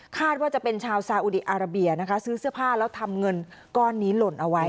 ว่าจะเป็นชาวซาอุดีอาราเบียนะคะซื้อเสื้อผ้าแล้วทำเงินก้อนนี้หล่นเอาไว้